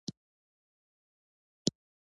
په افغانستان کې کابل د خلکو د ژوند په کیفیت تاثیر کوي.